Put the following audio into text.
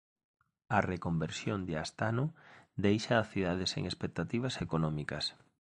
A reconversión de Astano deixa a cidade sen expectativas económicas